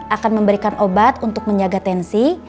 akan memberikan obat untuk menjaga tensi